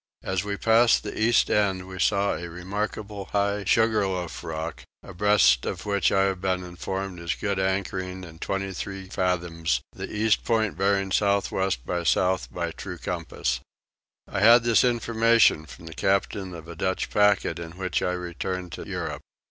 As we passed the east end we saw a remarkable high sugarloaf rock, abreast of which I have been informed is good anchorage in 23 fathoms, the east point bearing south west by south by true compass. I had this information from the captain of a Dutch packet in which I returned to Europe.